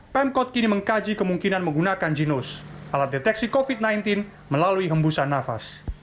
pemkot kini mengkaji kemungkinan menggunakan jinus alat deteksi covid sembilan belas melalui hembusan nafas